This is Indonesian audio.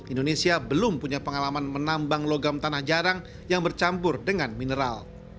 indonesia belum punya pengalaman menambang logam tanah jarang yang bercampur dengan mineral